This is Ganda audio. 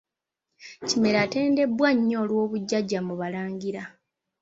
Kimera atendebwa nnyo olw'obujjajja mu Balangira.